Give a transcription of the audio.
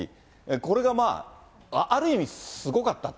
これがある意味すごかったと？